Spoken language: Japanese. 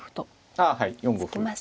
ああはい４五歩。